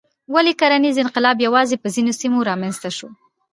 ولې کرنیز انقلاب یوازې په ځینو سیمو رامنځته شو؟